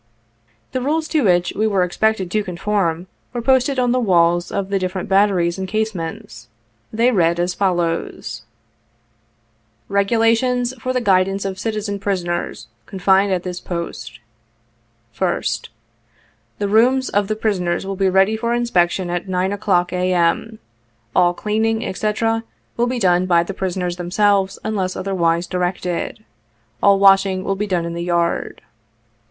The rules to which we were expected to conform, w^ere posted on the walls of the different batteries and case mates. They read as follows : 33 "REGULATIONS FOR THE GUIDANCE OF CITIZEN PRISONERS CONFINED AT THIS POST. <<\ s t. — The rooms of the prisoners will be ready for inspection at 9 o'clock, A.M. All cleaning, &c, will be done by the prisoners themselves, unless otherwise directed. All washing will be done in the yard.